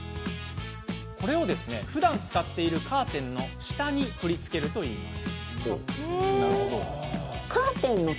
これをふだん使っているカーテンの下に取り付けるといいます。